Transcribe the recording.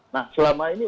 nah selama ini